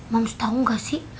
moms tau gak sih